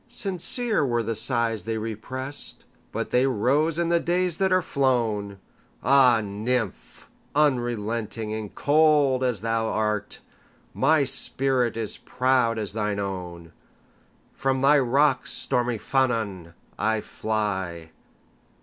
Sincere were the sighs they represt, But they rose in the days that are flown! Ah, nymph! unrelenting and cold as thou art, My spirit is proud as thine own! From thy rocks, stormy Llannon, I fly.